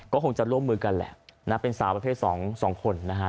ก็คงจะลงมือกันแหละเป็นสาประเภท๒คนนะครับ